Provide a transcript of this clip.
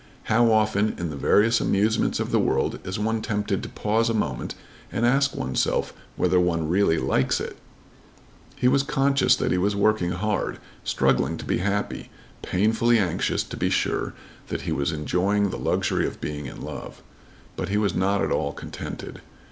How often in the various amusements of the world is one tempted to pause a moment and ask oneself whether one really likes it! He was conscious that he was working hard, struggling to be happy, painfully anxious to be sure that he was enjoying the luxury of being in love. But he was not at all contented.